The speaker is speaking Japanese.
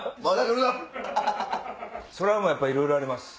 それはやっぱいろいろあります。